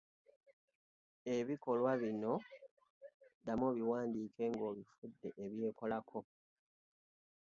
Ebikolwa bino ddamu obiwandiike ng’obifudde ebyekolako.